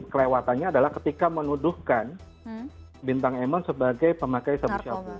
kelewatannya adalah ketika menuduhkan bintang emon sebagai pemakai sabu shop